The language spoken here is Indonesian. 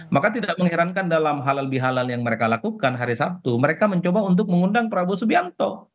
maka tidak mengherankan dalam halal bihalal yang mereka lakukan hari sabtu mereka mencoba untuk mengundang prabowo subianto